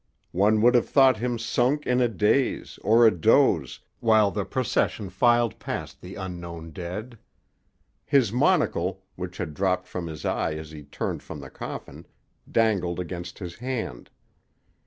One would have thought him sunk in a daze, or a doze, while the procession filed past the unknown dead. His monocle, which had dropped from his eye as he turned from the coffin, dangled against his hand.